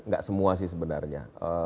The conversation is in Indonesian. gak semua sih sebenarnya